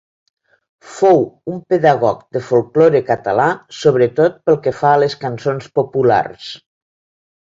Fou un pedagog del folklore català, sobretot pel que fa a les cançons populars.